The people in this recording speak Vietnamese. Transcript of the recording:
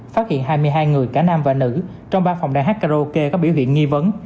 phát hiện hai mươi hai người cả nam và nữ trong ba phòng đại hát karaoke có biểu hiện nghi vấn